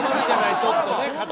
ちょっとね刀